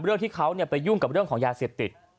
เรื่องที่เขาไปยุ่งเรื่องยาเศีียบติด